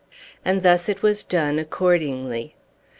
And thus it was done, accordingly.